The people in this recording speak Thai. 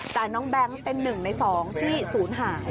แต่น้องแบงค์เป็น๑ใน๒ที่ศูนย์หาย